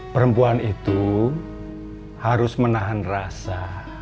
perempuan itu harus menahan rasa